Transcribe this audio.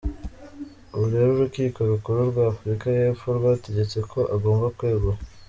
Ubu rero urukiko rukuru rwa Afurika yepfo rwategetse ko agomba kwegura.